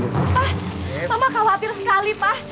mama khawatir sekali pak